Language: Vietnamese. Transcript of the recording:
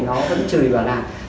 nó vẫn chửi bảo là